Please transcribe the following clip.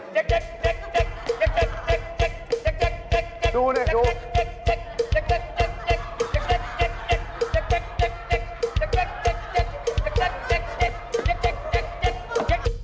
ยังไม่รู้เรื่องเลยว่า